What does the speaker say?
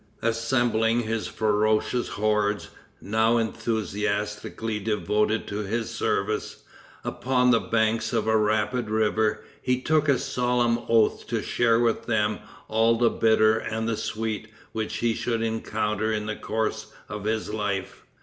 Assembling his ferocious hordes, now enthusiastically devoted to his service, upon the banks of a rapid river, he took a solemn oath to share with them all the bitter and the sweet which he should encounter in the course of his life.